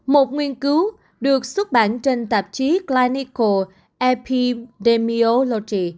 một nghiên cứu được xuất bản trên tạp chí clinical epidemiology